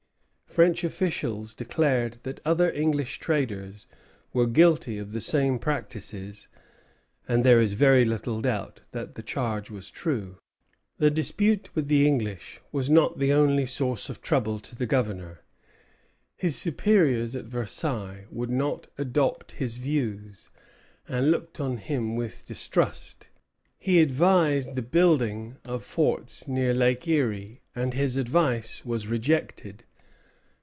French officials declared that other English traders were guilty of the same practices; and there is very little doubt that the charge was true. Précis des Faits, avec leurs Pièces justificatives, 100. The dispute with the English was not the only source of trouble to the Governor. His superiors at Versailles would not adopt his views, and looked on him with distrust. He advised the building of forts near Lake Erie, and his advice was rejected.